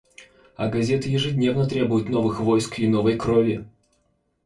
А газеты ежедневно требуют новых войск и новой крови.